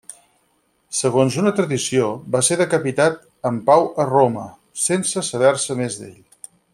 Segons una tradició, va ser decapitat amb Pau a Roma, sense saber-se més d'ell.